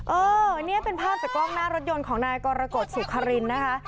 เออนี่เป็นภาพจากกล้องหน้ารถยนต์ของนายกรกฎสุขรินนะคะ